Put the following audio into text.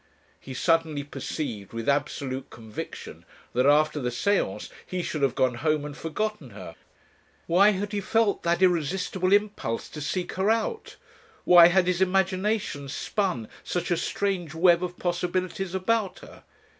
He suddenly perceived with absolute conviction that after the séance he should have gone home and forgotten her. Why had he felt that irresistible impulse to seek her out? Why had his imagination spun such a strange web of possibilities about her?